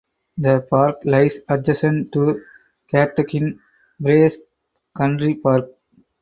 The park lies adjacent to Cathkin Braes Country Park.